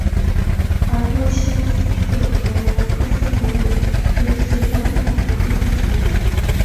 而多切斯特和罗克斯伯里则随着诺福克县成立。